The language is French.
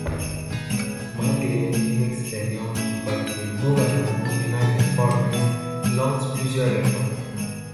Malgré l'inexpérience du parti, le gouvernement United Farmers lance plusieurs réformes.